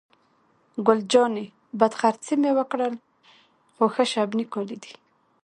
ګل جانې: بد خرڅي مې وکړل، خو ښه شبني کالي دي.